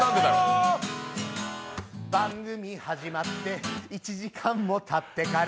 番組始まって１時間もたってから